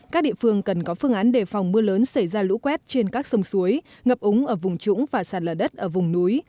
các địa phương cần có phương án đề phòng mưa lớn xảy ra lũ quét trên các sông suối ngập úng ở vùng trũng và sạt lở đất ở vùng núi